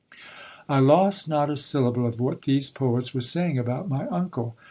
I lost not a syllable of what these poets were saying about my uncle.